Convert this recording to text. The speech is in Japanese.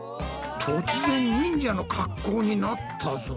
突然忍者の格好になったぞ。